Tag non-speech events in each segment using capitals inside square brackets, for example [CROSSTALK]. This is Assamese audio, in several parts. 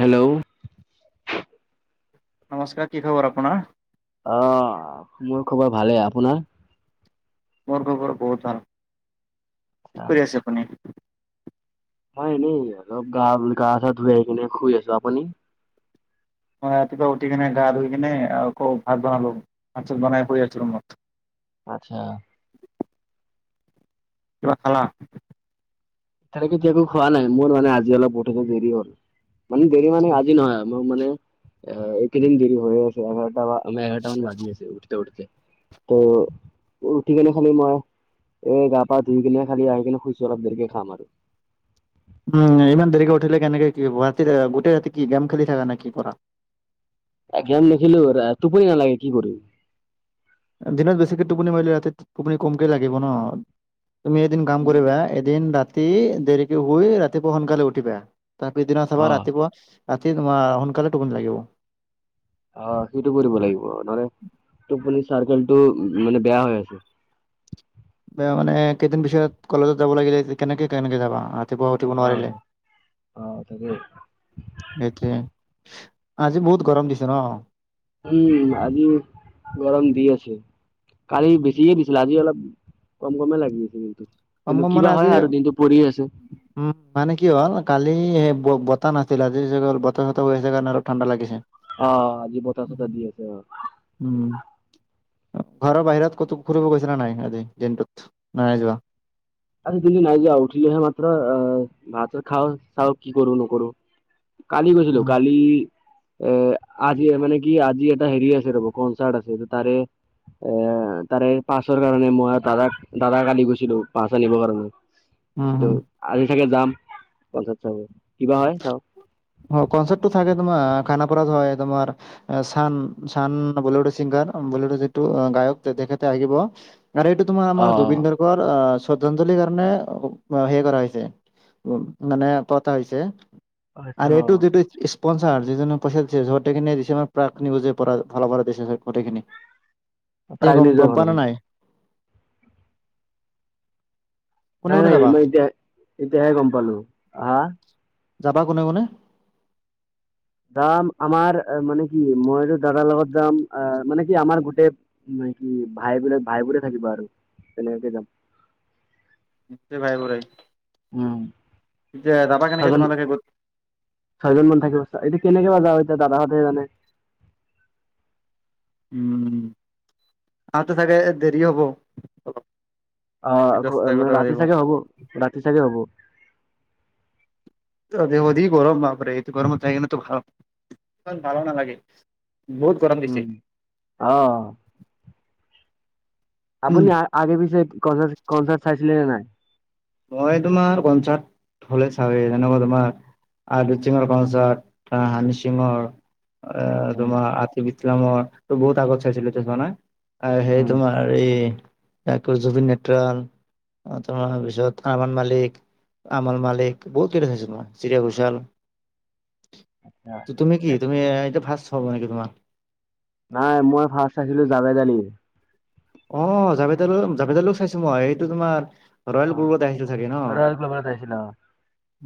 হেল্ল'। নমস্কাৰ, কি খবৰ আপোনাৰ? অ' মোৰ খবৰ ভালেই। আপোনাৰ? মোৰ খবৰ বহুত ভাল। কি কৰি আছে আপুনি? মই এনেই অলপ গা গা চা ধুই কিনে শুই আছোঁ। আপুনি? মই ৰাতিপুৱা উঠি কিনে, গা ধুই কিনে আকৌ ভাত বনালোঁ, ভাত চাত বনাই শুই আছোঁ ৰুমত। আচ্ছা। কিবা খালা? [UNINTELLIGIBLE] খোৱা নাই, মোৰ মানে আজি অলপ উঠোতে দেৰি হ'ল, মানে দেৰি মানে আজি নহয় আ। মোৰ মানে এ, এইকেদিন দেৰি হৈয়ে আছে [UNINTELLIGIBLE] আমাৰ এঘাৰটা মান বাজি আছে উঠোতে উঠোতে, ত' উঠি কেনে [UNINTELLIGIBLE] এই গা পা ধুই কিনে খালি আহি কিনে শুইছোঁ, অলপ দেৰিকে খাম আৰু। উম, ইমান দেৰিকে উঠিলে কেনেকে কি হ'ব। গোটেই ৰাতি কি গেম খেলি থাকা নে কি কৰা? এ, গেম নেখেলো। ৰা টোপনি নালাগে কি কৰিম। দিনত বেছিকে টোপনি মাৰিলি ৰাতি টোপনি কমকে লাগিব ন'। তুমি এদিন কাম কৰিবা এদিন ৰাতি দেৰিকে শুই ৰাতিপুৱা সোনকালে উঠিবা তাৰ পিছদিনা চাবা অ' ৰাতিপুৱা ৰাতি তোমাৰ সোনকালে টোপনি লাগিব। অ' সেইটো কৰিব লাগিব নহ'লে টোপনি চাৰ্কেলটো মানে বেয়া হৈ আছে। মানে কেইদিন পিছত কলেজত যাব লাগিল কেনেকে কেনেকে যাবা? ৰাতিপুৱা উঠিব নোৱাৰিলে। অ', অ' তাকেই। ঠিকে। আজি বহুত গৰম দিছে ন'? উম, আজি গৰম দি আছে। কালি বেছিয়ে দিছিল, আজি অলপ কম কমে লাগি আছে কিন্তু। কম কিন্তু কম মানে কিবা আজি হয় আৰু দিনটো পৰি আছে। উম, মানে কি হ'ল কালি সেই বতাহ নাছিলে আজি [UNINTELLIGIBLE] বতাহ চতাহ বৈ আছে কাৰণে আৰু ঠাণ্ডা লাগিছে। অ' আজি বতাহ চতাহ দি আছে অ'। উম, ঘৰৰ বাহিৰত ক'তো ফুৰিব গৈছিলা নে নাই আজি দিনটোত না নাই যোৱা? আজি দিন নাই যোৱা, উঠিলোহে মাত্ৰ। আ, ভাত চাত খাওঁ চাও কি কৰোঁ নকৰোঁ। কালি গৈছিলোঁ, উম কালি এ, আজি মানে কি আজি এটা হেৰি আছে ৰ'ব কনচাৰ্ট আছে ত' তাৰে এ, তাৰে পাছৰ কাৰণে মই দাদাক দাদাক কালি গৈছিলোঁ। পাছ আনিবৰ কাৰণে। হম ত' আজি চাগে যাম পঞ্চায়ত চাব, কিবা হয় চাওঁ। অ' কনচাৰ্টটো থাকে তোমাৰ খানাপাৰাত হয় তোমাৰ চান, চান বলিউডৰ চিংগাৰ, বলিউডৰ যিটো গায়ক তেখেতে আহিব। আৰু এইটো তোমাৰ আমাৰ অ', জুবিন গাৰ্গৰ আ, শ্ৰদ্ধাঞ্জলিৰ কাৰণে সেই কৰা হৈছে। উম, মানে পতা হৈছে অ', আচ্ছা আৰু অ'। এইটো যিটো স্পনচাৰ যিজনে পইচা দিছে, যতোখিনি দিছে প্ৰাক নিউজৰ পৰা ফালৰ পৰা দিছে গোটেইখিনি। [INAUDIBLE] তে গম প্ৰাগনিউজৰ গম ফালৰ পোৱানে পৰা। নাই? কোনে নাই কোনে নাই যাবা মই এতিয়া, এতিয়াহে গম পালোঁ। হা? যাবা কোনে কোনে? যাম আমাৰ মানে কি মইতো দাদাৰ লগত যাম আ, মানে কি আমাৰ গোটেই নেকি ভাইবোৰ ভাইবোৰে থাকিব আৰু তেনেকে যাম। গোটেই ভাইবোৰেই। উম' কেনেকে চাগন- তোমালোকে গোট ছয়জন মান থাকিব, এতিয়া কেনেকে বা যাওঁ এতিয়া দাদাহঁতেহে জানে। উম' আৰুতো চাগে দেৰি হব অলপ। অঁ' আকৌ দহটা মানে এঘাৰটা ৰাতি বাজিব চাগে হব, ৰাতি চাগে হব। যি গৰম বাপৰে এইটো গৰমত যাই কিনেটো ভাল ইমান ভালো নালাগে বহুত- গৰম দিছে উম' অঁ' উম, আপুনি আগে পিছে কনাৰট কনচাৰ্ট চাইছিলে নে নাই? মই তোমাৰ কনচাত হলে চাওঁৱে। যেনেকুৱা তোমাৰ- আদিত সিঙৰ কনচাৰ্ট হানি সিঙৰ। আহ উম, তোমাৰ আতিফ ইছলামৰ ত' বহুত আগত চাইছিলো এতিয়া চোৱা নাই। আৰু সেই উম। তোমাৰ এই জুবিন নেট্ৰাল তোমাৰ পিছত- আৰমান মালিক আমল মালিক বহুত কেইটা চাইচো তোমাৰ চিৰিয়া ঘোষাল। ত' তুমি কি তুমি এতিয়া ফাষ্ট হব নেকি তোমাৰ? নাই মই ফাৰ্ষ্ট চাইছিলো জাবেদালি। অঁ জাবেদ আলি জাবেদ আলি চাইছো মই এইটো তোমাৰ- ৰয়েল অ' গুগলত আহিছো চাগে ন। ৰয়েল ক্লাবত চাইছিলা?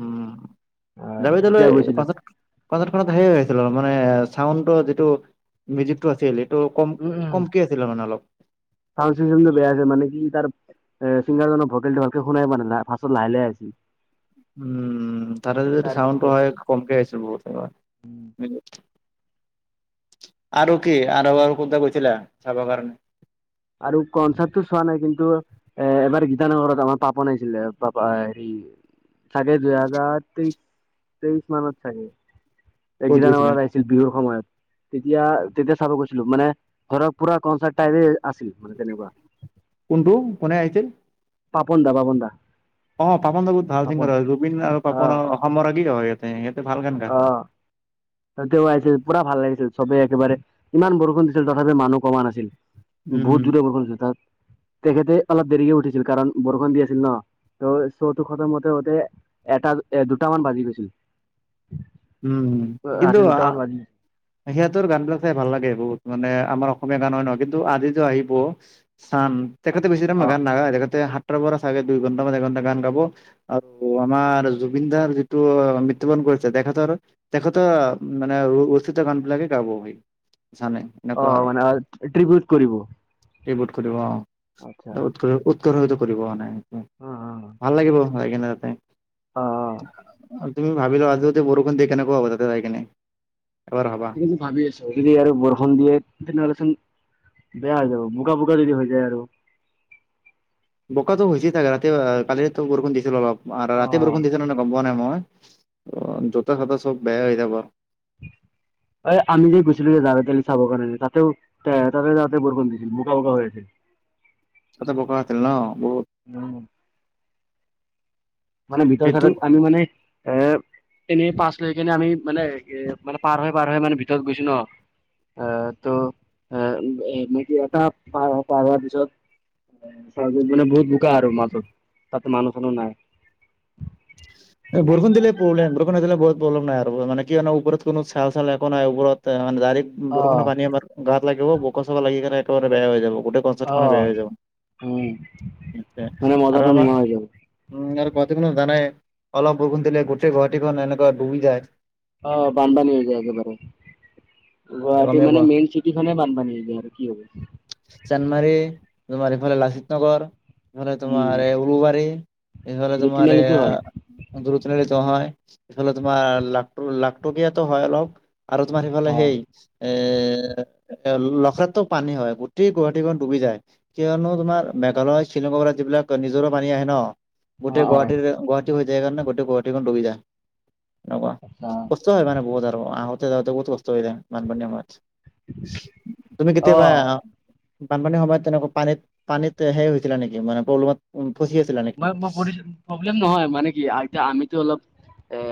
উম' হয় যাবেদ আলি তেতিয়া গৈছিলো পাছত- পাছৰ খনত ধেই হৈছিল মানে চাউণ্ডৰ যিটো মিউজিকটো আছিল সেই- টো কম উম উম কমকেই আছিলে মানে অলপ। চাউণ্ড চিচটেমটো বেয়া আছে মানে কি তাৰ- এ চিংগাৰজনৰ ভকেলটো ভালকে শুনাই পোৱা নাই ফাছত লাহে লাহে আহিছিল। উম' তাতে যদি এইটো চাউণ্ডটো তাৰপিছত হয় কমকে আহিছিল বহুত তোমাৰ। আৰু কি আৰু কৰবাত গৈছিলা চাবৰ কাৰণে। আৰু কনচাৰ্টটো চোৱা নাই কিন্তু, - এ এবাৰ গীতানগৰত আমাৰ পাপন নাইছিলে পাপা হেৰি- চাগে দুই হাজাৰ তেইছ তেইছ মানত চাগে ক'ত এগিজানাবাৰ গৈছিলা? আইচ- ছিল বিহুৰ সময়ত তেতিয়া তেতিয়া চাব গৈছিলো মানে ধৰক পুৰা কনচাৰ্ট টাইপে- আছিল মানে তেনেকুৱা। কোনটো কোনে আহিছিল? পাপন দা পাপন দা। অঁ, পাপন দা বহুত ভাল পাপন ছিংগাৰ হয়, জুবিন আৰু অ পাপনৰ অসমৰাগী হয় ইয়াতে সিহঁতে ভাল গান অ গায়। তেওঁ আহিছিল পুৰা ভাল লাগিছিল চবেই একেবাৰে ইমান বৰষুণ দিছিল তথাপি মানুহ কমা নাছিল। উম, বহুত জোৰে বৰষুণ দিছিল তাত তেখেতে অলপ দেৰিকে উঠিছিল কাৰণ বৰষুণ দি আছিল ন। ত' শ্ব'টো খতম হওঁতে হওঁতে এটা এ দুটামান বাজি গৈছিল। উম' কিন্তু ৰাতি দুটামান আ- বাজি তেখেতৰ গান বিলাক চাই ভাল লাগে বহুত মানে আমাৰ অসমীয়া গান হয় নহয় কিন্তু আজিতো আহিব- চান তেখেতে বেছি টাইম অ গান নাগায় তেখতে সাতটাৰ পৰা চাগে দুই ঘণ্টা বা একঘণ্টা গান গাব- আকৌ আমাৰ জুবিন দাৰ যিটো মৃত্যুবৰণ কৰিছে দেখাত- তৰ তেখেত মানে উস্থিত গান বিলাকে গাবহি জানে। অ এনেকুৱা অ, আৰু মানে আৰত ট্ৰিবিউট কৰিব। এইবোধ কৰিব আচ্ছা অঁহ উৎ উৎকৰ্ষতো কৰিব মানে, অ অ ভাল লাগিব। লৈ কিনে তাতে, অ তুমি ভাবিলোৱা য'ত - বৰুষণ দি কেনেকৈ হব তাতে আই কিনে? এবাৰ ভাবা। ভাবি আছো যদি আৰু বৰষণ দিয়ে তেনেহ'লেচোন- বেয়া হৈ যাব, বোকা, বোকা যদি হৈ যায় আৰু বোকাতটো হৈছে থাকে ৰাতি আ, কালি ৰাতিটো বৰষুণ দিছিল অলপ আ, ৰাতি বৰ অ শুন দিছে নাই গম পোৱা নাই মই, অ', জোতা চোতা চব বেয়া হৈ যাব। [UNINTELLIGIBLE] এই আমি যে গৈছিলো, যে জাৰৰ কালি চাবৰ কাৰণে তাতেও এ, তাতে যাওঁতেও বৰষুণ দিছিল বোকা বোকা হৈ আছিল। [INAUDIBLE] তাতে বোকা হৈছিল ন, বহুত। উম। মানে ভিতৰত সেইটো চাইডত, আমি মানে এ, এনেই পাচ লৈ কেনে আমি মানে এ মানে পাৰ হৈ, পাৰ হৈ, মানে ভিতৰত গৈছো ন অ', ত' এ, [UNINTELLIGIBLE] মেকি এটা পাৰ, পাৰ হোৱাৰ পিছত চঞ্জী মানে বহুত বোকা আৰু মাজত, তাতে মানুহ চানুহ নাই। [UNINTELLIGIBLE] বৰষুণ দিলে প্ৰবলেম, বৰষুণ নিদিলে বহুত প্ৰবলেম নাই আৰু মানে কি হয় ন, ওপৰত কোন চাল, চাল একো নাই ওপৰতে মানে ডাইৰেক্ট অ বৰষুণৰ পানী আমাৰ গাত লাগিব, বোকা চোকা লাগি কেনে একেবাৰে বেয়া হৈ যাব, গোটেই কনচাৰ্ট অ খনে বেয়া হৈ যাব, উম মানে আৰু মজাটো আমা নোহোৱা হৈ যাব উম, আৰু গুৱাহাটী খনু জানাই অলপ বৰষুণ দিলে, গোটেই গুৱাহাটীখন এনেকুৱা ডুবি যায় অ', বানপানী হৈ যায় একেবাৰে। গুৱাহাটী গমেই মানে পোৱা মেইন চিটি খনে বানপানী হৈ যায় আৰু কি হ'ব চানমাৰী তোমাৰ ইফালে লাচিত নগৰ এইফালে উম তোমাৰ উলুবাৰী, এইফাল যদি তোমাৰ তিনিআলিটো হয় এইয়া [UNINTELLIGIBLE] হয়, এইফালে তোমাৰ লাকত' লাখত'কিয়াতো হয় অলপ আৰু তোমাৰ অ সিফালে সেই এ, লখৰাটো পানী হয়, গোটেই গুৱাহাটীখন ডুবি যায় কিয়নো, তোমাৰ মেঘালয় শ্বিলংৰ পৰা, যিবিলাক নিজৰ পানী আহে ন অ গোটেই অ গুৱাহাটীৰ, গুৱাহাটী হৈ যায় কাৰণে, গোটেই গুৱাহাটীখন ডুবি যায়, এনেকুৱা আচ্ছা কষ্ট হয় মানে বহুত আৰু, আহোঁতে যাওঁতে বহুত কষ্ট হৈ যায়, বান পানী সময়ত। তুমি কেতিয়াবা অ আহা বানপানীৰ সময়ত তেনেকুৱা পানীত, পানীত হেই হৈছিলে নেকি, মানে প্ৰব্লেমত উম, ফচি আছিলা নি মই, মই পৰিছোঁ প্ৰব্লেম নহয়, মানে কি আইটিয়া আমিতো অলপ, এ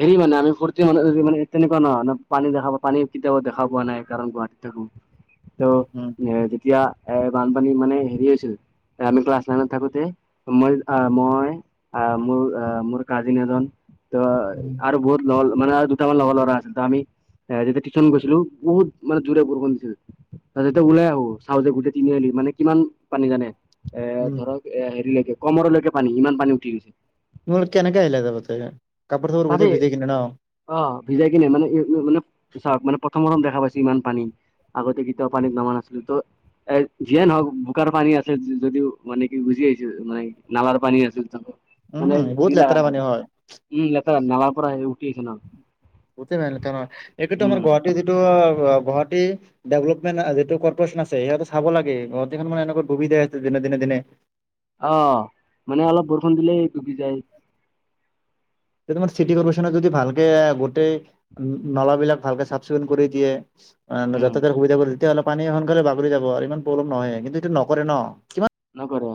হেৰি মানে আমি ফূৰ্তি মানুহ [UNINTELLIGIBLE] মানে তেনেকোৱা নহয় ন পানী দেখা পোৱ পানী কেতিয়াও দেখা পোৱা নাই, কাৰণ গুৱাহাটিত থাকো ত' উম এ, যেতিয়া এ, বানপানী মানে হেৰি হৈছিল, আমি ক্লাছ নাইনত থাকোত তে মই অ', মই অ', মোৰ অ', মোৰ কাজিন এজন ত' উম আৰু বহুত লল, মানে দুটামান লগৰ ল'ৰা আছিল, ত' আমি হেৰি যেতিয়া টিওছন গৈছিলো, বহুত মানে জোৰে বৰষুণ দিছিল তাৰপিছত যেতিয়া ওলাই আহো চাওঁতে গোটেই তিনিআলি, মানে কিমান পানী জানে এ, উম ধৰক এ, হেৰিলৈকে কমৰলৈকে পানী, ইমান পানী উঠি গৈছে ঘৰত কেনেকে আহিলা [UNINTELLIGIBLE] কাপোৰ চাপুৰ তাতে গোটে ভিজাই কিনে ন অ', ভিজাই কিনে, মানে [UNINTELLIGIBLE] মানে চাওক, মানে প্ৰথম, প্ৰথম দেখা পাইছো ইমান পানী। আগতে কেতিয়াও পানী নমা নাছিলো, ত' এ, যিয়ে নহওক বোকাৰ পানী আছে যদিও, মানে কি ভিজি আহিছো, মানে নালাৰ পানী আছিল পোনে উম, বহুত লেতেৰা [UNINTELLIGIBLE] নাই, পানী হয়। উম, লেতেৰা নালাৰ পৰা হেৰী উটি আহিছে ন [UNINTELLIGIBLE] একটোতো উম আমাৰ গুৱাহাটী যিটো আ, ৱা গুৱাহাটী ডেভলপমেণ্ট যিটো কৰ্পৰেচন আছে সিহতে চাব লাগে গুৱাহাটীখন মানে এনেকুৱা ডুবি যায় আছে দিনে দিনে দিনে অ', মানে অলপ বৰষুণ দিলেই ডুবি যায় তোমাৰ চিটি কৰ্পৰেচনৰ যদি ভালকে গটেই নলাবিলাক ভালকে চাফ চিকুণ কৰি দিয়ে আ উম যাতাজাৰ সুবিধা কৰি দিয়ে ন। তেতিয়া হলে পানী সোনকালে বাগৰি যাব, আৰু ইমান পলম নহয় কিন্তু এইটো নকৰে ন কিমান নকৰে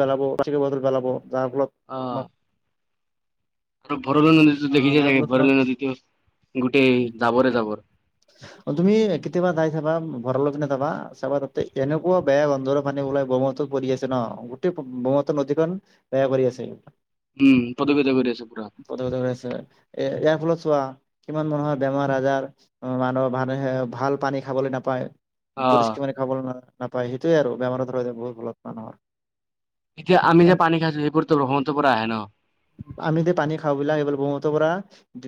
পেলাব, প্লাষ্টিকৰ বটল পেলাব যাৰ ফলত তোমাৰ অ' আৰু ভৰলো নদীতো দেখি চাগে যাই যাৰ থাকে ফলত ভৰল তোমাৰ নদীতো, গোটেই জাবৰে জাবৰ। অ', তুমি কেতিয়াবা যাই চাবা ভৰলো পিনে যাবা, চাবা তাতে এনেকুৱা বেয়া গন্ধৰ পানী ওলাই ব পৰি আছে ন, গোটেই ব্ৰহ্মপুত্ৰ নদীখন বেয়া কৰি আছে উম পদবেত কৰি আছে পুৰা। [UNINTELLIGIBLE] এ ইয়াৰ ফলত চোৱা। কিমান মানুহৰ বেমাৰ আজাৰ মানুহ মানুহে ভাল পানী খাবলৈ নাপায়। অ পৰিষ্কাৰ মানে খাবলৈ ন নাপায় সেইটোৱে আৰু বেমাৰৰ ধৰ বহুত ভলত মানুহ হয়। এতিয়া আমি যে পানী খাইছো সেইবোৰ ত' ব্ৰহ্মপুত্ৰৰ পৰা আহে ন? আমি যে পানী খাওঁ বিলাক এই ব্ৰহ্মপুত্ৰৰ পৰা।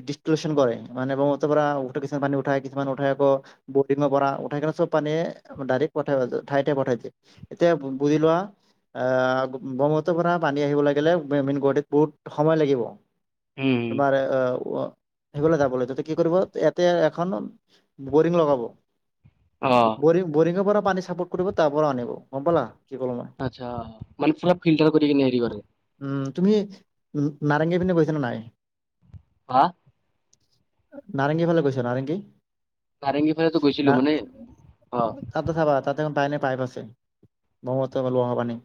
ডিচক্লুচন কৰে মানে ব্ৰহ্মপুত্ৰৰ পৰা উঠ কিছুমান পানী উঠাই কিছুমান উঠাই আকৌ। বৰিংৰ পৰা উঠাই কিনে চব পানীয়ে ডাইৰেক্ট পঠাই ঠাই ঠাই পঠাইছে। এতিয়া বুজিলোৱা আহ ব্ৰহ্মপুত্ৰৰ পৰা পানী আহিব লাগিলে মানে গুৱাহাটীত বহুত সময় লাগিব। উম। তোমাৰ আহ সেইবোৰ যাব লাগে তেতিয়া কি কৰিব এতে এখন বৰিং লগাব। অ'। বৰিং বৰিঙৰ পৰা পানী চাপৰ্ট কৰিব তাৰ পৰা আনিব, গম পালা কি কলোঁ মই আচ্ছা, মানে পুৰা ফিল্টাৰ কৰি কেনে হেৰি কৰে উম', তুমি নাৰেংগী পিনে গৈছা নে নাই? হা নাৰেংগী ফালে গৈছ নাৰেংগী নাৰেংগী ফালেতো গৈছিলো ন মানে অ ত চাবা তাতে পাই পাইপ আছে ব্ৰহ্মপুত্ৰ লোৱা হোৱা পানী।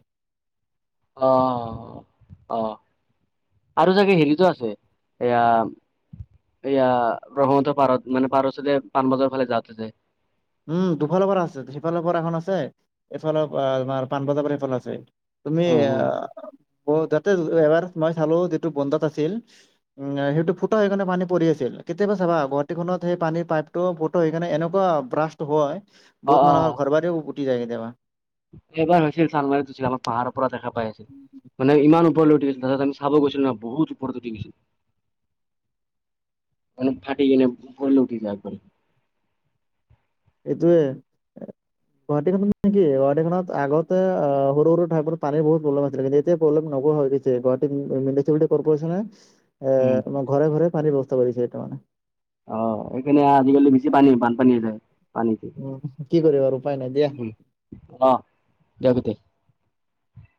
অ' অহ। আৰু চাগে হেৰিতো আছে এয়া এয়া ব্ৰহ্মপুত্ৰ পাৰত মানে পাৰৰচতে পাণবজাৰ ফালে যাতে যে উম দুফালৰ পৰা আছে সিফালৰ পৰা এখন আছে এফালৰ পৰা আমাৰ পাণবজাৰ পৰা এফালে আছে। তুমি উম উম যাতে এবাৰ মই চালো যিটো বন্ধত আছিল। উম সেইটো ফুটা সেইকাৰণে পানী পৰি আছিল কেতিয়াবা চাবা গুৱাহাটী খনত সেই পানীৰ পাইপ ফটো সেইকাৰণে এনেকুৱা ব্ৰাষ্ট হয় অ বহুত মানুহৰ ঘৰ বাৰিও পুটি যায় কেতিয়াবা। এবাৰ হৈছিল চানমাৰিত হৈছিল আমাৰ পাহাৰৰ পৰা দেখা পাই আছিল। মানে ইমান ওপৰলৈ উঠি গৈছিল তাতে আমি চাব গৈছিলো নহ বহুত ওপৰত উঠি গৈছিল। মানে ফাটি কিনে ওপৰলে উঠি যাব পাৰে। এইটোৱে। [INAUDIBLE] গুৱাহাটী খনত নেকি গুৱাহাটী খনত আগতে অ' সৰু সৰু ঠাইত পানীৰ বহুত প্ৰব্লেম আছিলে কিন্তু এতিয়া প্ৰব্লেম নোহোৱা হৈছে। গুৱাহাটী [UNINTELLIGIBLE] এ উম ম ঘৰে ঘৰে পানীৰ ব্যৱস্থা কৰিছে মানে। অ' সেইকাৰণে আজিকালি বেছি পানী বানপানী যায় পানীতে। উম কি কৰিব আৰু উপায় নাই দিয়া। উম, অ', দিয়া গোতে।